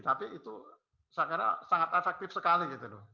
tapi itu sangat efektif sekali